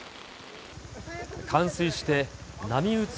冠水して、波打つ